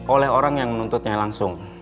oleh orang yang menuntutnya langsung